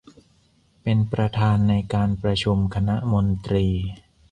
เป็นประธานในการประชุมคณะมนตรี